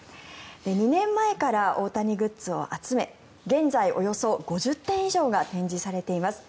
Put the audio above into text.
２年前から大谷グッズを集め現在、およそ５０点以上が展示されています。